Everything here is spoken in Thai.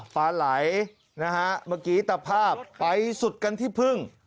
ปลาไหลนะฮะเมื่อกี้ตะภาพไปสุดกันที่พึ่ง